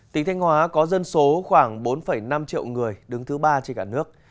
tỉnh thanh hóa có dân số khoảng bốn năm triệu người đứng thứ ba trên cả nước